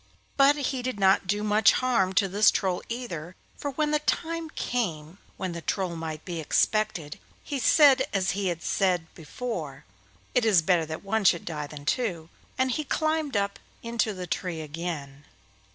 But he did not do much harm to this Troll either, for when the time came when the Troll might be expected, he said as he had said before: 'It is better that one should die than two,' and then climbed up into the tree again.